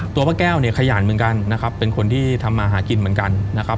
ป้าแก้วเนี่ยขยันเหมือนกันนะครับเป็นคนที่ทำมาหากินเหมือนกันนะครับ